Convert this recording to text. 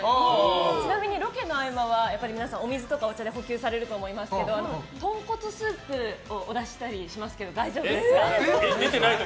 ちなみにロケの合間は皆さん、お水とかお茶で補給されると思いますけど豚骨スープをお出ししたりしますけど大丈夫ですか？